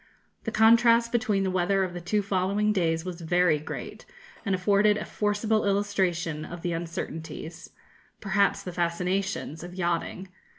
The contrast between the weather of the two following days was very great, and afforded a forcible illustration of the uncertainties, perhaps the fascinations, of yachting.